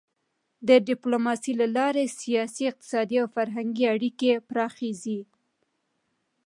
د ډيپلوماسی له لارې سیاسي، اقتصادي او فرهنګي اړیکې پراخېږي.